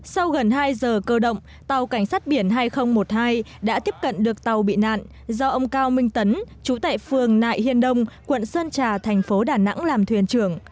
sau gần hai giờ cơ động tàu cảnh sát biển hai nghìn một mươi hai đã tiếp cận được tàu bị nạn do ông cao minh tấn chú tại phường nại hiên đông quận sơn trà thành phố đà nẵng làm thuyền trưởng